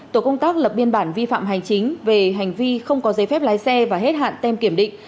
tổ công tác lập biên bản vi phạm hành chính về hành vi không có giấy phép lái xe và hết hạn tem kiểm định